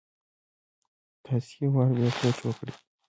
تاسي يو وار بيا سوچ وکړئ!